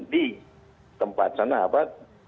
di tempat sana apa